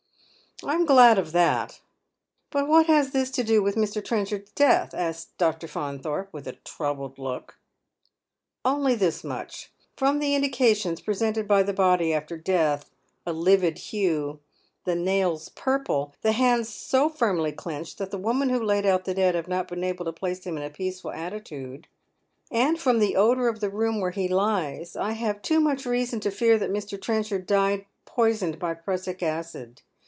" I am glad of that." " But what has this to do with Mr. Trenchard's death ?" aska Dr. Faunthorpe, with a troubled look. " Only this much. From the indications presented by the body after death — a livid hue — the nails purple — the hands so firmly clenched that the women who laid out the dead have not been able to place them in a peaceful attitude — and from the odour of the room where he lies, I have too much reason to fear that Mr. Trenchard died poisoned by prussic acid.